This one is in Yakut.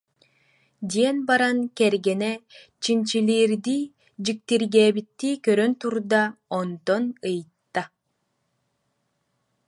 диэн баран кэргэнэ чинчилиирдии, дьиктиргээбиттии көрөн турда, онтон ыйытта